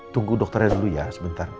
tunggu dokternya dulu ya sebentar